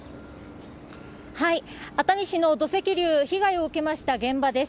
熱海市の土石流、被害を受けました現場です。